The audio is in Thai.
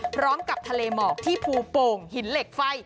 พร้อมกับทะเลหมอกที่ภูโป่งหินเหล็กไฟ